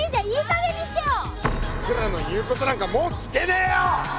さくらの言うことなんかもう聞けねえよ！